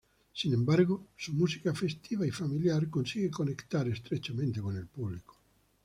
Sin embargo, su música festiva y familiar consigue conectar estrechamente con el público.